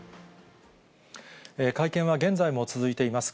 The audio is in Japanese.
会見は現在も続いています。